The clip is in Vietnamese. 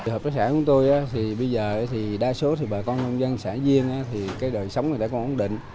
hợp tác xã của tôi bây giờ thì đa số bà con nông dân xã duyên cái đời sống này đã còn ổn định